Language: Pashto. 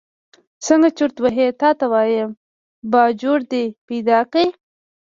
څنګه چرت وهې تا ته وایم، باجوړ دې پیدا کړ.